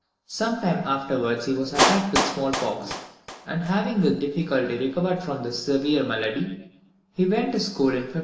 Sometime afterwards he was attacked with the smallpox, and having with difficulty recovered from this severe malady, he was sent to school in 1577.